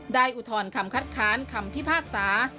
ได้อุทอนคำคัดค้านคำพิพากษา